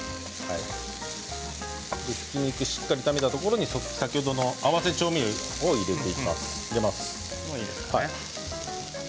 ひき肉をしっかり炒めたところに先ほどの合わせ調味料を入れます。